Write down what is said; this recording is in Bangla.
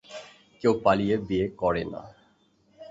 ‘কেউ পালিয়ে বিয়ে করে না।’